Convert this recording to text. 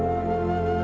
aku terlalu berharga